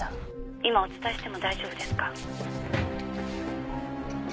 今お伝えしても大丈夫ですか？